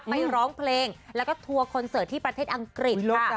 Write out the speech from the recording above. ร้องเพลงแล้วก็ทัวร์คอนเสิร์ตที่ประเทศอังกฤษ